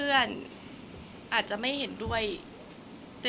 แต่ขวัญไม่สามารถสวมเขาให้แม่ขวัญได้